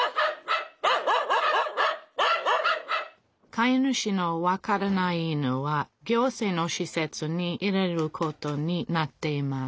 飼い主の分からない犬は行政のしせつに入れることになっています